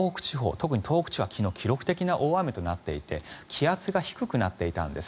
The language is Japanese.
特に東北地方は昨日記録的な大雨となっていて気圧が低くなっていたんです。